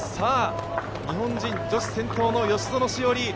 日本人女子先頭の吉薗栞